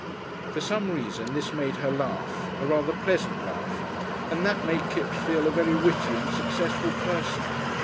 For some reason this made her laugh a rather pleasant laugh, and that made Kipps feel a very witty and successful person.